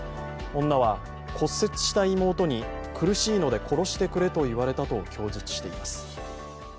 女は骨折した妹に、苦しいので殺してくれと言われたと供述しています。